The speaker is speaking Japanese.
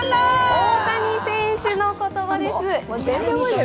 大谷選手の言葉です。